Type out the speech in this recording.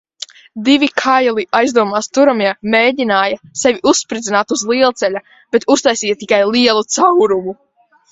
Divi kaili aizdomās turamie mēģināja sevi uzspridzināt uz lielceļa, bet uztaisīja tikai lielu caurumu.